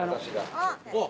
あっ！